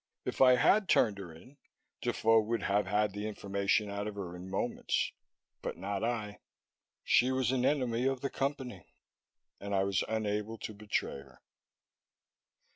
If I had turned her in, Defoe would have had the information out of her in moments; but not I. She was an enemy of the Company. And I was unable to betray her.